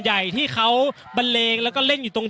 อย่างที่บอกไปว่าเรายังยึดในเรื่องของข้อ